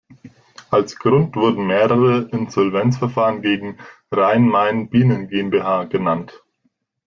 Als Grund wurden mehrere Insolvenzverfahren gegen "Rhein-Main Bienen GmbH" genannt.